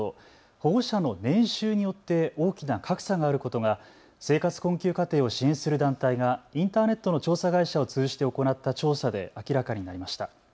保護者の年収によって大きな格差があることが生活困窮家庭を支援する団体がインターネットの調査会社を通じて行った調査で明らかになりました。